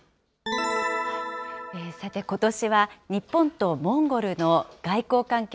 さて、ことしは日本とモンゴルの外交関係